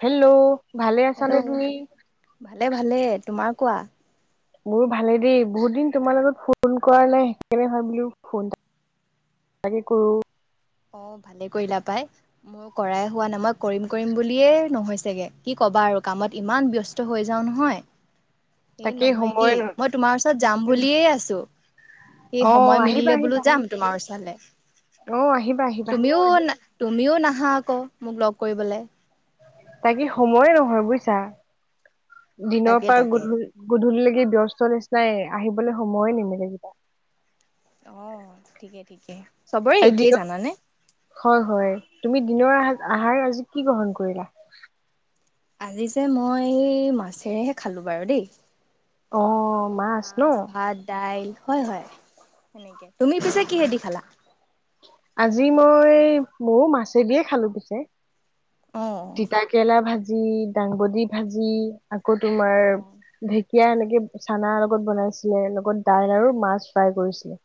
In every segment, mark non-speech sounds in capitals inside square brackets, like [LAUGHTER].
Hello, ভালে আছা নে হেল্ল' তুমি? ভালে ভালে তোমাৰ কোৱা মোৰো ভালেই দেই বহুত দিন তোমাৰ লগত ফোন কৰা নাই। সেইকাৰণে হয় ভাবিলো আজি ফোন কৰো অ ভালে কৰিলা পাই। মোৰ কৰাই হোৱা ন, মই কৰিম-কৰিম বুলিয়ে নহৈছেগে কি কবা আৰু কামত ইমান ব্যস্ত হৈ যাও নহয়। এই তাকে সময় নহয়গেই, ন মই তোমাৰ ওচৰত যাম বুলিয়ে আছো! [UNINTELLIGIBLE] এ, অ সময় আহিবা মিলিলে বোলো, আহিবা যাম তোমাৰ ওচৰলে। [UNINTELLIGIBLE] অ', আহিব তুমিও না তুমিও নাহা আকৌ, মোক লগ কৰিবলে। তাকে সময়েই নহয় বুজিছা। দিনৰ তাকে পৰা তাকে গধলি, গধুলিলেকে এ ব্যস্ত নিচিনাই, আহিবলৈ সময়ে নিমিলে কিবা। অ', ঠিকে ঠিকে। চবৰে আজি একেই দিনত, জানানে হয়, হয় তুমি দিনৰ আহাৰ আজি কি গ্ৰহণ কৰিলা? আজি যে, মই এই মাছেৰেহে খালো বাৰু দেই। অ', মাছ ন! ভাত দাইল হয়, হয় তেনেকে, তুমি পিছে কিহেদি খালা? আজি মই, মইও মাছে দিয়ে খালো পিছে। অ'। তিতা কেৰেলা ভাজি ভাজি, দাংবদি ভাজি। আকৌ, তোমাৰে ঢেঁক [UNINTELLIGIBLE] চানা লগত বনাইছিলে, লগত দাইল আৰু মাছ ফ্ৰাই কৰিছিলে।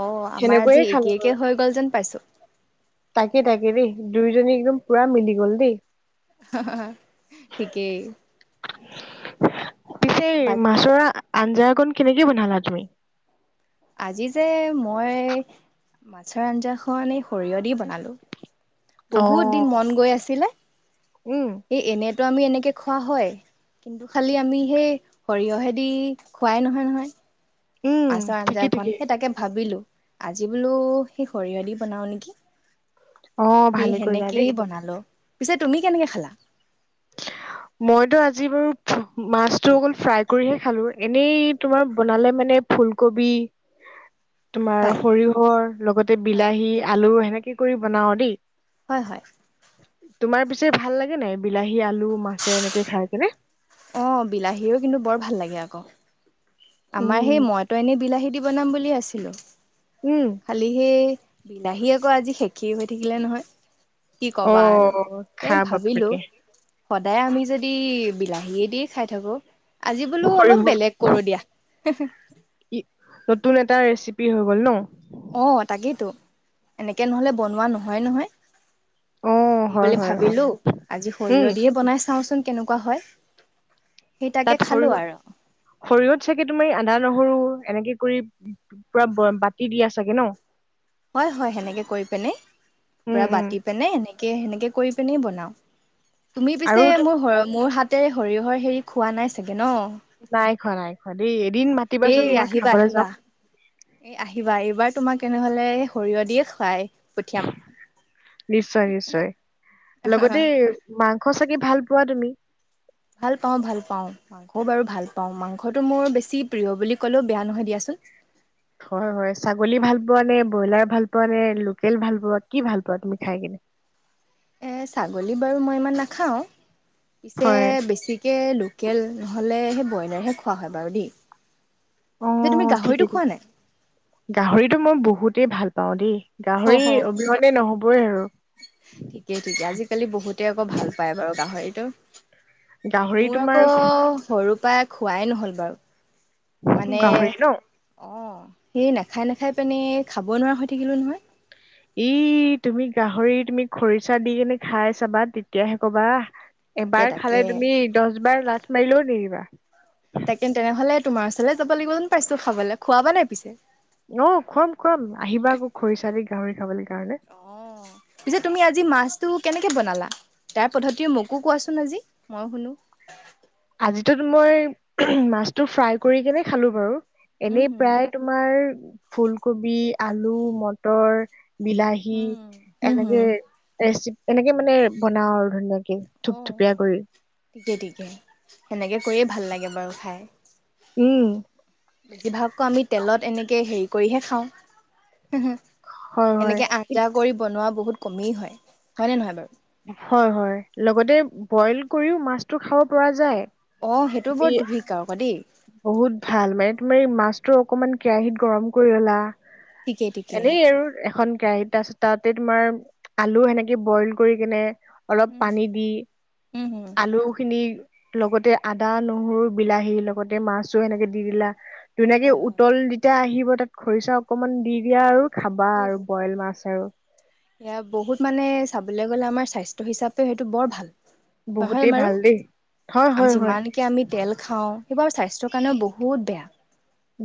অ', আমাৰ সেনেকৈয়ে আজি খালো একে, আৰু একে হৈ গ'ল যেন পাইছো। তাকে, তাকে দেই দুয়োজনী একদম পুৰা মিলি গ'ল দেই। হা! হা! হা! ঠিকেই। [UNINTELLIGIBLE] পিছে বা মাছৰ আঞ্জাকন কেনেকে বনালা তুমি? আজি যে, মই মাছৰ আঞ্জাকণ এই সৰিয়হ দি বনালো। বহুত দিন অ', মন গৈ আছিলে, উম। এই এনে তেওঁ, আমি এনেকে খোৱা হয়। কিন্তু, খালি আমি সেই সৰিয়হেদি খুৱাই নহয় নহয়। উম, আচাৰ ঠিকে আঞ্জাখন ঠিকে। হে তাকে ভাবিলো। আজি বোলো, সেই সৰীয়হ দি বনাও নিকি। অ', ভালেই কৰিলা দেই। পিছে তুমি কেনেকে খালা? মইতো আজি বাৰু, মাছটো অকল ফ্ৰাই কৰি হে খালো। এনেই তোমাৰ বনালে মানে ফুলকবি তোমাৰ, হয়। সৰিয়হৰ লগতে বিলাহী, আলু সেনেকে কৰি বনাও দেই। হয় হয়, তোমাৰ পি চাই ভাল লাগে নাই? সি আলু মাছে এনেকে খাই কেনে অ বিলাহীও কিন্তু বৰ ভাল লাগে আকৌ। আমাৰ সেই উম মইতো এনেই বিলাহীত বনাম বুলি আছিলো। উম, খালি সে বিলাহী আকৌ আজি শেষ এ হৈ থাকিলে নহয়। কি অ ক'বা আৰু তাকে খা ভাবিলো বাপেকে। সদায় আমি যদি বিলাহীয়েদি খাই থাকো আজি বোলো অলপ সৰিয়হ বেলেগ কৰোঁ দিয়া। [UNINTELLIGIBLE] ই নতুন এটা ৰেচিপি হৈ গ'ল ন। অ তাকেইতো এনেকে নহলে বনোৱা নহয় নহয়। অ সেই হয় বুলি হয় হয় ভাবিলো আজি উম সৰিয়হ দিয়ে বনাই চাওচোন। কেনেকুৱা হয়। সেই তাকে তাত খালো সৰিয় আৰু সৰিয়ত চাগে তুমি আন্দা, নহৰু এনেকে কৰি পুৰা বাতি দিয়া চাগে ন? হয় হয় সেনেকে কৰি পেনে উম পুৰা উম বাতি পেনে এনেক- কে সেনেকে কৰি পেনে বনাওঁ। তুমি আৰু পিছে তো মোৰ হৰ মোৰ হাত তে সৰিয়হৰ হেৰি খোৱা নাই চাগে। কে ন। খৰাই খোৱা দেইত। এ আহিবা আহিবা এ আহিবা এইবাত তোমাক তেনেহলে সৰিয়হ দিয়ে খুৱাই পঠিয়াম। নিশ্চয় নিশ্চয় লগতে মাংস চাগ ভাল পোৱা তুমি? ভাল পাওঁ ভাল পাওঁ মাংস বাৰু ভাল পাওঁ মাংসটো মোৰ বেছি প্ৰিয় বুলি কলেও বেয়া নহয় দিয়াচোন। হয় হয় ছাগলী ভাল পোৱা নে ব্ৰইলাৰ ভাল পোৱা নে লোকেল ভাল পোৱা কি ভাল পোৱা তুমি খাই কিনে? এ ছাগলী বাৰু মই ইমান নাখাওঁ। পিছে হয় বেছিকে লোক লোকেল নহলে সেই ব্ৰইলাৰহে খোৱা হয় বাৰু দেই। অ যে তুমি গাহৰিটো ঠিকেই খোৱা নাই গাহৰিতটো মই বহুতেই ভাল। পওঁ দেই অহ গাহৰিৰ অবিহনে নহবয়ই আৰু ঠিকেই ঠিক আজিকালি বহুতে আকৌ ভাল পায় বাৰু হয় এইটো গাহৰি মোৰ তোমাৰ আকৌ সৰু পাই খোৱাই নহ'ল বাৰু মানে গাহৰি ন অ সেই নাখায় নাখাই পেনে খাব নোৱাৰা হৈ থাকিলো নহয় ই তুমি গাহৰি তুমি খৰিচা দি কেনে খাই চাবা তেতিয়াহে কবা তাকে এবাৰ তাকে খালে তুমি দহ বাৰ লাত মাৰিলেও নেৰিবা তাকেন তেনেহ'লেত তোমাৰ ওচৰ যাব লাগিব যেন পাইছো খাবলৈ খোৱাবা নাই পিছে অ খুৱাম খুৱাম আহিবা আকৌ খৰিচা দিি গাহৰি খাবলৈ কাৰণে পিছে তুমি আজি মাছটো কেনেকে বনালা তাৰ পদ্ধতিৰে মোকো কোৱাচোন আজি মই শুনো আজিতোত মই মাছটো ফ্ৰাই কৰি কেনে খালো বাৰু উম এনেই হুম প্ৰায় তোমাৰ ফুলকবি আলু মটৰ বিলাহী এনেকে উম ৰেচি এনেকে মানে বনাওঁ আৰু ভাল লাগে অ থুপথুপীয়া কৈ তেনেকে কৰিয়ে ভাল লাগে বাৰু খাই উম বেছিভাগকৈ আমি তেলত এনেকে হেৰি কৰিহে খাওঁ উহো হয় হয়। এনেকে আঞ্জা ই- কৰি বনোৱা বহুত কমে হয, হয় নে নহয় বাৰু হয় হয় লগতে বইল কৰিও মাছতো খাব পৰা যায় অ সেইটো তুমি বৰ তু ভিক আৰুক দেই বহুত ভাল মানে তুমাৰ এই মাছ টো অকনমান কেৰাহীত গৰম কৰি ললা ঠিকেই ঠিকেই এনেই আৰু এখন কেৰাহত তাৰপাছত তাতে তোমাৰ আলু সেনেকে বইল কৰি কেনে অলপ উম পানী হুম দি উম হুম আলু খিনি লগতে আদা নহৰু বিলাহী লগতে মাছো এনেকে দি দিলা। ধুনীয়াকে হয় হয় উতল যেতিয়া আহি আৰু তাত খৰিচা অকনমান দি দিয়া আৰু খাবা অ আৰু হ বইল মাছ আৰু। এয়া বহুত মানে চাবলৈ গ'লে আমাৰ স্বাস্থ্য হিচাপেও সেইটো বৰ ভাল। হয় হয় বহুতেই ভাল দেই হয় বাৰু হয় হয় যিমানকে আমি তেল খাওঁ সেইবাৰ স্বাস্থ্য কাৰণেও বহুত বেয়া।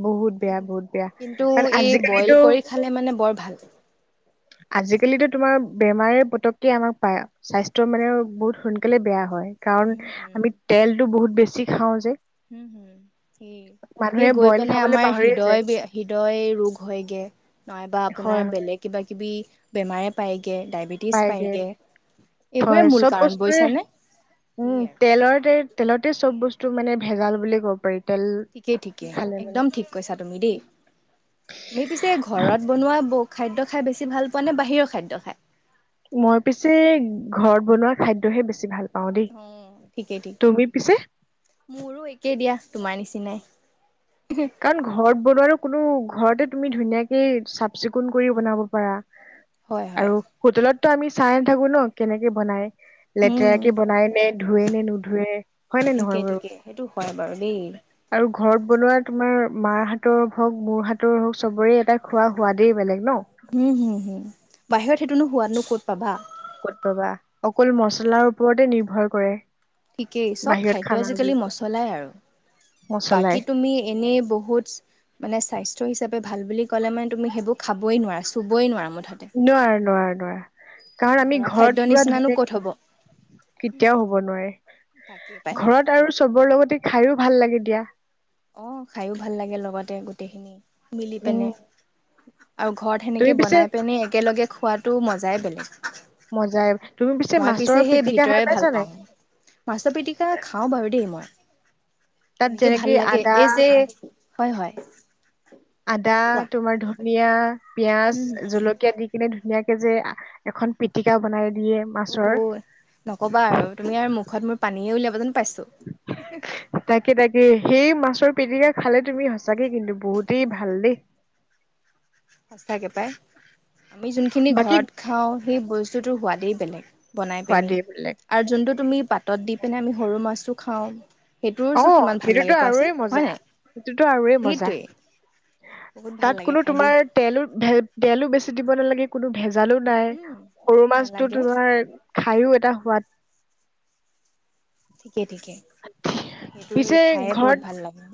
বহুত বেয়া বহুত বেয়া কিন্তু কাৰণ এই বইল আজিকালিতো কৰি খালে [UNINTELLIGIBLE] উম আজিকালিতো তোমাৰ বেমাৰে পতককে আমাক পায় স্বাস্থ্যৰ মানে বহুত সোনকালে বেয়া হয়। কাৰণ হুম আমি তেলতো বহুত বে ছি খাওঁ যে। হম হম সেই সেই মানুহে গৈ বইল পেনে খাবলৈ আমাৰ পাহৰিয়ে হৃদয় যায় হৃদয় ৰোগ হয়গে নইবা আপোনাৰ হয় বেলেগ কিবা কিবি বেমাৰে পায়। পাইগে এইবোৰে হয় মূল চব কাৰণ বস্তুৱে বুজিছানে। উম সেয়াই তেলৰ তেলতে চব বস্তু টো মানে ভেজাল বুলিয় কব পাৰি। তেল ঠিকেই ঠিকে খালে মানে একদম ঠিক কৈছা তুমি দেই তুমি পিছে ঘৰত বনোৱা ব খাদ্য খাই বেছি ভাল পোৱা নে বাহিৰৰ খাদ্য খায়? মই পিছে ঘৰত বনোৱা খাদ্যহে বেছি ভাল পাওঁ দেই অ ঠিকেই ঠিকেই তুমি পিছে মোৰো একেই দিয়া তোমাৰ নিচিনা। চিনাই। কাৰণ ঘৰত বনোৱাৰো কোনো ঘৰতে তুমি ধুনীয়াকে চাফ চিকুণ কৰিও বনাব পাৰা। হয় হয়। আৰু হোটেলত ত আমি চাই নাথাকো ন কেনেকে বনাই। উম লেতেৰাকে বনাই নে ধোৱে নে নোধোৱে হয় নে ঠিকে নহয় বাৰু ঠিকে সেইটো হয় বাৰু দেই আৰু ঘৰত বনোৱা তোমাৰ মাৰ হাতৰ হওক মোৰ হাতৰ হওক চবৰে এটা খোৱা সোৱাদেই বেলেগ। ন হম হুম হুম বাহিৰত সে তুনো হোৱাতনো ক'ত পাবা? ক'ত পাবা অকল মচলাৰ ওপৰতে নিৰ্ভৰ কৰে। ঠিকেই চব বাহিৰত খাদ্য আজিকালি খানাবিলাক মছলাই আৰু মছলাই বাকী তুমি এনেই বহুত মানে স্বাস থ হিচাপে ভাল বুলি ক'লেমানে তুমি সেইবোৰ খাবই নোৱাৰা চুবই নোৱাৰা ম নোৱাৰো নোৱাৰো।। নোৱাৰা। কাৰণ আমি ঘৰৰ ঘৰত খাদ্যৰ পুৰা নিচিনানো ধুনীয়া ক'ত হ'ব কেতিয়াও হব নোৱাৰে তাকেই পাই ঘৰত আৰু চবৰ লগতে খাইয়ো।। ভাল লাগে দিয়া। অ খাইয়ো ভাল লাগে লগতে গোটেইখিনি।। মিলি পেনে।। উম, আৰু ঘৰত তুমি সেনেকৈ পিছে বনাই পেলাই আমি একেলগে খোৱাত।। সেইতোৰ মজাই মজাই তুমি বেলেগ। মই মাছৰ পিছে সেই পিটিকা ভিতৰে খাই পাইছা ভাল নাই পাওঁ। মাছৰ পিতিকা খাওঁ বাৰু দেই মই।। তাত এনেকে ভাল যেনেকে লাগে আদ। এই যে।। হয় হয়। আদা কোৱা তোমাৰ ধৰা। পিয়া।। উম পিয়াজ হুম। জলকীয়া দি কেনে।। ধুনীয়াকে যে এখন পিটিকা বনাই।। দিয়ে অ মাছৰ হ নকবা আৰু তুমি আৰু মুখত মোৰ পানীয়ে ওলাবা।। তাকে তাকে সেই মাছৰ।। পিটিকা খালে তুমি সঁচাকে কিন্তু বহুতেই ভাল দেই। সচাঁ কে পায়। আমি যোনখিনি বাকী ঘৰত খাওঁ সেই বস্তুটোৰ সোৱাদেই বেলেগ। বনাই খোৱা পিনি, দিয়ে বেলেগ আৰু যোনটো তুমি পাতত দি পিনে আমি সৰু মাছটো খাওঁ।। অ সেইটোৰচো কিমান ভাল সেইটোতো লাগে আৰু কোৱাচোন য়ে মজা। হয় নাই সেইটোতো আৰু য়ে মজা, সেইটোৱেই বহুত ভাল তাত লাগে কোনো খাই দেই। তোমাৰ তেলো।। ভাল তেলো বেছি দিব নালাগে কোনো ভেজ।। ভেজালো নাই। উম সৰু মাছতো নেলাগে তোমাৰ খায়ও।। তাৰ সোৱাদ।। ঠিক ঠিকে ঠিকে কিন্তু সেই পিছে খাইয়ে বহুত ঘৰত ভাল লাগে।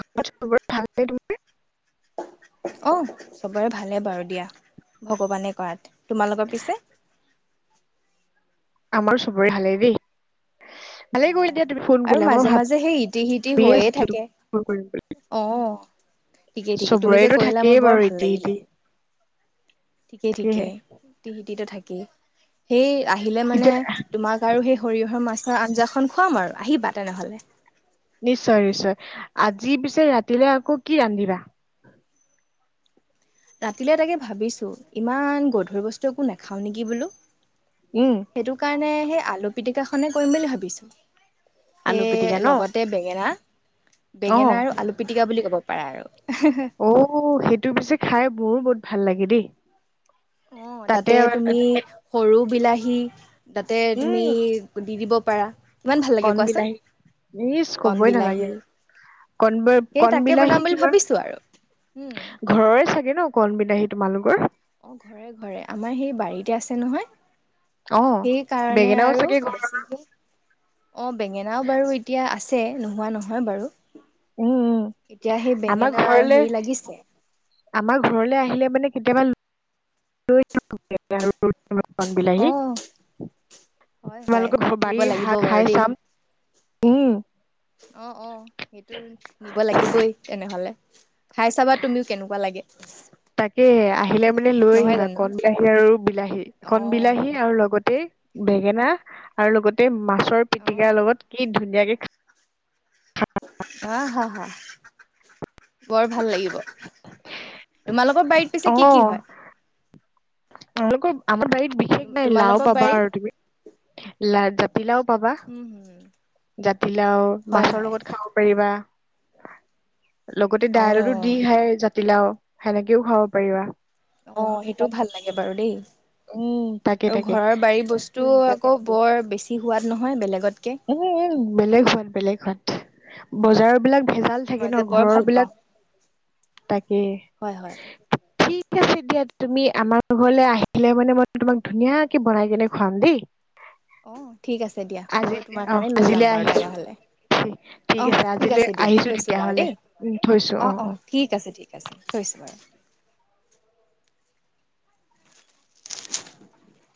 ঘৰত চবৰে ভালনে তোমাৰ। অ চবৰে ভালে বাৰু দিয়া ভগৱানে কৰাত। তোমালোকৰ পিছে? আমাৰো চবৰে ভালেই দেই। অ ভালেই কৰিলা দিয়া তুমি ফোন আৰু কৰিলা মই মাজে মাজে সেই ইতি সিতি ভাবিয়ে হৈয়ে আছিলো থাকে। তোমাক ফোন কৰিম অ ঠিকেই বুলি ঠিকেই তুমি যে চবৰেতো কৰিলা, থাকেই মোৰ বাৰু বৰ ভাল ইতি ইতি লাগিলে। ঠিকেই তাকেহে ঠিকেই ইটি সিতি টো থাক।। সেই।। আহিলে মানে এতিয়া তোমাক আৰু সেই সৰিয়হৰ মাছ আঞ্জাখন খুৱাম আৰু আহিবা তেনেহ'লে নিশ্চয় নিশ্চয় আজি পিছে ৰাতিলৈ আকৌ কি ৰান্ধিবা ৰাতিলৈ তাকে ভাবিছো ইমান গধুৰ বস্তু একো নাখাওঁ নেকি বোলো উম সেইটো কাৰণে সেই আলু পিটিকাখনেই কৰিম বুলি ভাবিছোঁ আলু পিটিকা সেই ন লগতে বেঙেনা অ বেঙেনা আৰু আলু পিটীকা আলুপিতিকা বুলি ক'ব পাৰা আৰু অ সেইটো পিছে খাই মোৰ ব ভাল লাগে দেই অ তাতে তুমি সৰু বিলাহী তাতে তুমি উম দি দিব পাৰা ইমান ভাল লাগে কণ কোৱাচোন বিলাহী নিজ কণ কবই নালাগে বিলাহী আৰু কণব সেই কণ তাকে বনাম বিলাহী বুলি তোমাৰ ভাবিছো আৰু উম ঘৰৰে চাগে ন কণ বিলাহী তোমালোকৰ অ ঘৰে ঘৰে আমাৰ সেই বাৰীতে আছে নহয় অ সেই কাৰণে বেঙেনাও আৰু চাগে ঘৰ বেছিকৈ অ বেঙেনাও বাৰু এতিয়া আছে যে নোহোৱা নহয় বাৰু উম উম এতিয়া সেই আমাৰ বেঙেনা আৰু ঘৰলে হেৰি লাগিছে আমাৰ ঘৰলে আহিলে মানে কেতিয়াবা বণ বিলাহী অ' হয় হয় তোমালোকৰ দিব বাল লাগিব শাক বাৰু খাই দেই চাম উম অ অ সেইটো নিব লাগিবই তেনেহলে খাই চাবা তুমিও কেনেকুৱা লাগে তাকে আহিলে মানে লৈ নহয় আহিবা জানো কন বিলাহী আৰু বিলাহী কন অ', বিলাহী আৰু লগতে বেঙেনা আৰু লগতে মা চৰ অ', পিটিকাৰ লগত কি ধুনীয়াকে আহ হা হা বৰ ভাল লাগিব তোমালোক আৰ বাৰীত পিছে কি কি হয় আলোকো আমাৰ বাৰীত বিশেষ নাই লাও তোমালোকৰ পাবা বাৰীত আৰু তুমি লা জাতিলাও পাবা উম, হম। জাতিলাও হয়, মাছৰ হয় লগত খাব পাৰিবা লগতে দাইলতো দি অ', খাই জাতিলাও সেনেকেও খুৱাব পাৰিবা অ সেইটোও ভাল লাগে বাৰু দেই উম তাকে আৰু তাকে ঘৰৰ বাৰী বস্তু আকৌ বৰ বেছি সোৱাদ নহয় বেলেগত উম উম বেলেগ হ বেলেগ হয় বজাৰ বিলাক ভেজাল মই থাকে যে ন বৰ ঘৰৰ ভাল পাওঁ বিলাক তাকে হয়, হয় থিক ঠিক আছে দিয়া তুমি আমাৰ ঘৰলৈ আহিলে মানে মই তোমাক ধুনীয়াকে বনাই কেনে খুৱাম দেই অ ঠিক আছে দিয়া আজি মই তোমাক অ লৈ যাম আজিলে বাৰু তেনে আহিছো হ'লে অ ঠিক আজিলৈ আছে দিয়া আহিছো থৈছো বাৰু তেতিয়াহলে দেই উম থৈছো অ অ ঠিক আছে ঠিক আছে থৈছো বাৰু [UNINTELLIGIBLE] [UNINTELLIGIBLE]